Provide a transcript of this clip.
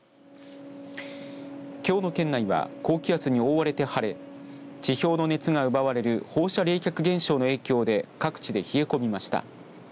きょうの県内は高気圧に覆われて晴れ地表の熱が奪われる放射冷却現象の影響で各地で冷え込みました。